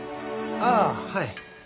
ああはい。